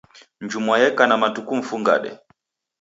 Njumwa yeka na matuku mfungade